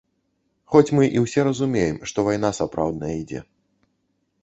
Хоць мы і ўсе разумеем, што вайна сапраўдная ідзе.